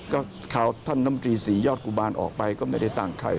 ก็คราวท่านน้ำตรีศรียอดกุบาลออกไปก็ไม่ได้ตั้งใคร